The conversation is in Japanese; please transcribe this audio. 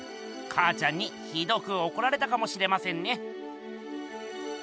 かあちゃんにひどくおこられたかもしれませんね。